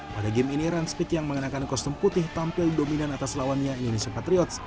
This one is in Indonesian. pada game ini ranspit yang mengenakan kostum putih tampil dominan atas lawannya indonesia patriots